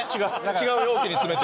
違う容器に詰めて。